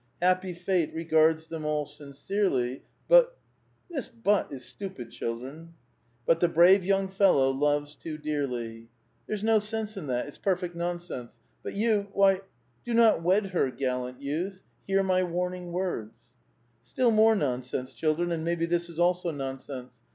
^ Happy fate regards them all sincerely, But —" This hut is stupid, children, — But the brave young fellow loves too dearly. There's no sense in that, — its perfect nonsense, — but 3'ou, why,— Do not wed her, gallant youth ; Hear my warning words.^ '^ Still more nonsense, children, and maybe this is also nonsense.